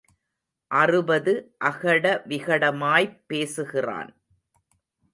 அறுபது அகடவிகடமாய்ப் பேசுகிறான்.